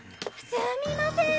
すみません！